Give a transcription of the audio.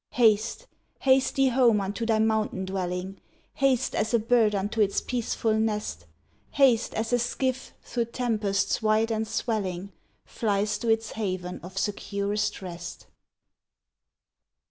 Haste, haste thee home unto thy mountain dwelling, Haste, as a bird unto its peaceful nest! Haste, as a skiff, through tempests wide and swelling, Flies to its haven of securest rest!